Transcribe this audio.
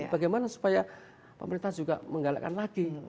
bagaimana supaya pemerintah juga menggalakkan lagi